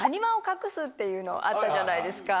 っていうのあったじゃないですか。